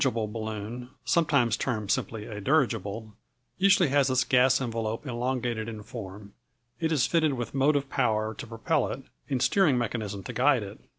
] A dirigible balloon, sometimes termed simply a dirigible, usually has its gas envelope elongated in form. It is fitted with motive power to propel it, and steering mechanism to guide it.